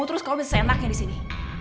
terus kamu bisa senaknya disini